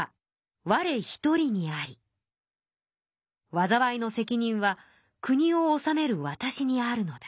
わざわいの責任は国を治めるわたしにあるのだ。